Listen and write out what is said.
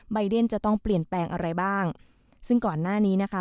เดนจะต้องเปลี่ยนแปลงอะไรบ้างซึ่งก่อนหน้านี้นะคะ